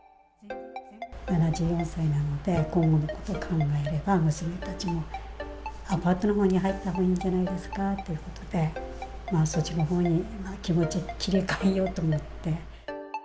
７４歳なので、今後のことを考えれば、娘たちも、アパートのほうに入ったほうがいいんじゃないですかということで、そっちのほうに気持ち切り替えようと思って。